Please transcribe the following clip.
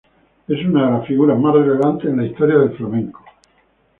Es una de las figuras más relevantes en la historia del flamenco.